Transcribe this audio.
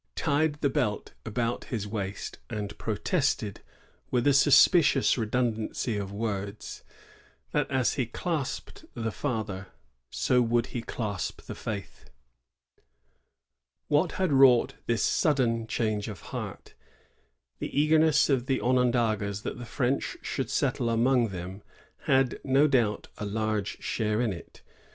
[1660. anna, tied the belt about his waist, and protested, with a suspicious redundancy of words, that as he clasped the father, so would he clasp the faith. What had wrought this sudden change of heart? The eagerness of the Onondagas that the French should settle among them had, no doubt, a large share in it.